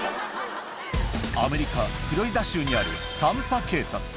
アメリカ・フロリダ州にあるタンパ警察。